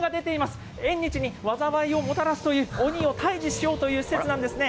縁日に災いをもたらすという鬼を退治しようという施設なんですね。